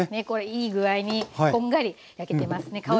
これいい具合にこんがり焼けてますね。